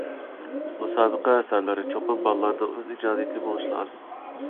مۇسابىقە ئەسەرلىرى چوقۇم بالىلارنىڭ ئۆز ئىجادىيىتى بولۇشى لازىم.